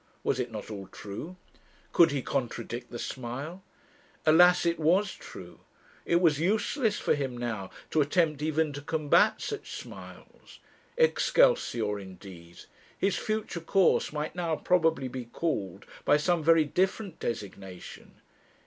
Was it not all true? could he contradict the smile? Alas! it was true; it was useless for him now to attempt even to combat such smiles. 'Excelsior,' indeed! his future course might now probably be called by some very different designation.